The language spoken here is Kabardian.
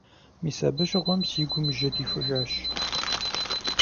Мис абы щыгъуэм си гум жьы дихужащ.